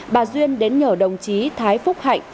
bà duyên đến nhờ đồng chí thái phúc hạnh